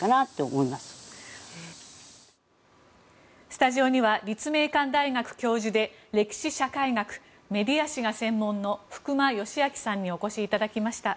スタジオには立命館大学教授で歴史社会学、メディア史が専門の福間良明さんにお越しいただきました。